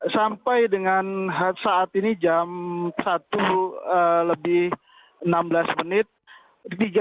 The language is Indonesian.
sampai dengan saat ini jam satu lebih enam belas menit